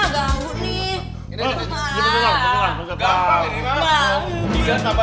gak mau nih